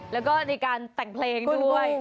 แล้วก็ในการแต่งเพลงด้วย